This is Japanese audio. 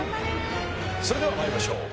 それでは参りましょう。